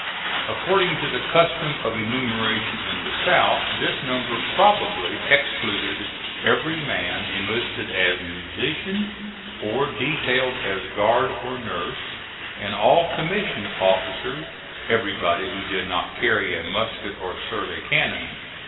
According to the custom of enumeration in the South, this number probably excluded every man enlisted as musician or detailed as guard or nurse, and all commissioned officers everybody who did not carry a musket or serve a cannon.